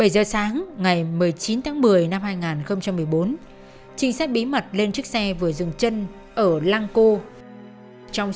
bảy giờ sáng ngày một mươi chín tháng một mươi năm hai nghìn một mươi bốn trinh sát bí mật lên chiếc xe vừa dừng chân ở lang cô